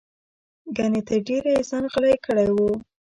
ګنې تر ډېره یې ځان غلی کړی و.